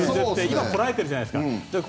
今、こらえてるじゃないですか。